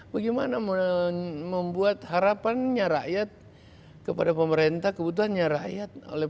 bagaimana membuat harapannya rakyat kepada pemerintah kebutuhannya rakyat oleh